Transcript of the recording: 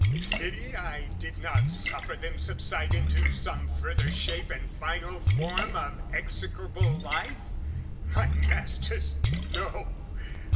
Pity I did not suffer them subside Into some further shape and final form Of execrable life? My masters, no!